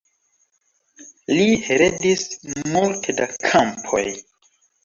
Li heredis multe da kampoj.